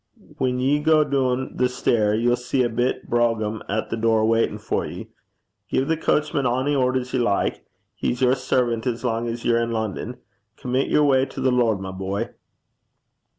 Whan ye gang doon the stair, ye'll see a bit brougham at the door waitin' for ye. Gie the coachman ony orders ye like. He's your servant as lang 's ye're in London. Commit yer way to the Lord, my boy.'